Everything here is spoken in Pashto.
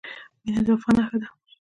• مینه د وفا نښه ده.